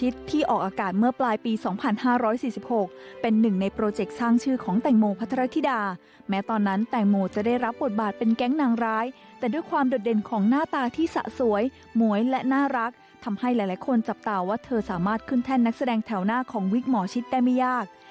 ที่มีทางแรกที่เกี่ยวกับตัวชีวิตของวิกหมอชิดได้ไม่ยาก